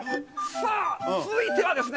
さあ、続いてはですね